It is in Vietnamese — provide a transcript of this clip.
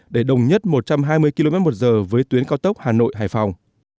để đồng nhất một trăm hai mươi km một giờ với tuyến cao tốc hà nội hải phòng